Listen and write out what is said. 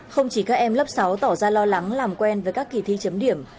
không chỉ các em lớp sáu tỏ ra lo lắng làm quen với các kỳ thi chấm điểm